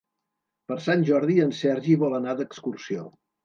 Per Sant Jordi en Sergi vol anar d'excursió.